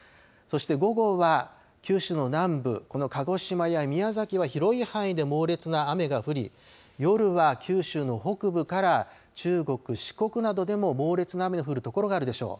そして午後は九州の南部、この鹿児島や宮崎は広い範囲で猛烈な雨が降り、夜は九州の北部から中国、四国などでも猛烈な雨が降る所があるでしょう。